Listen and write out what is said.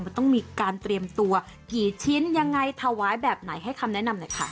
มันต้องมีการเตรียมตัวกี่ชิ้นยังไงถวายแบบไหนให้คำแนะนำหน่อยค่ะ